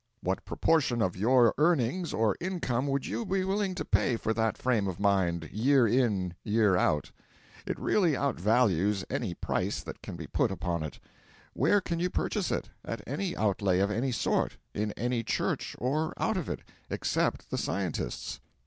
What proportion of your earnings or income would you be willing to pay for that frame of mind, year in year out? It really outvalues any price that can be put upon it. Where can you purchase it, at any outlay of any sort, in any Church or out of it, except the Scientist's?